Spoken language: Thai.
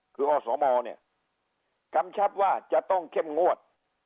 คืออสมเนี่ยกำชับว่าจะต้องเข้มงวด